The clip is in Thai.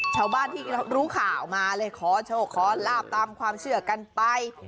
ชาวบ้านที่รู้ข่าวมาเลยขอโชคขอลาบตามความเชื่อกันไป